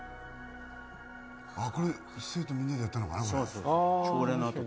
これ、生徒みんなでやったのかな？